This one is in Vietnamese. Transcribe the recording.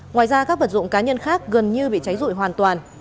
ngoài ra các vật dụng cá nhân khác gần như bị cháy rụi hoàn toàn